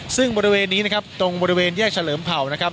ซึ่งบริเวณนี้นะครับตรงบริเวณแยกเฉลิมเผ่านะครับ